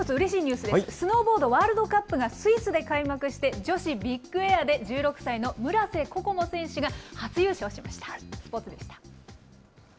スノーボードワールドカップがスイスで開幕して、女子ビッグエアで１６歳の村瀬心椛選手が初優勝しました。